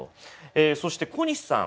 えそして小西さん。